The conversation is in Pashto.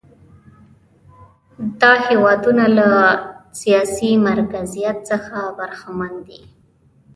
دا هېوادونه له سیاسي مرکزیت څخه برخمن دي.